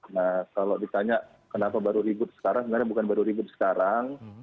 nah kalau ditanya kenapa baru ribut sekarang sebenarnya bukan baru ribut sekarang